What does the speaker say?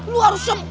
lu harus sempet